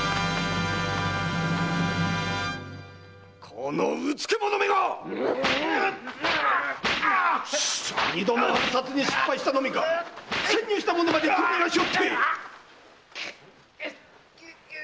このうつけ者めが‼二度も暗殺に失敗したのみか潜入した者まで取り逃がしおって！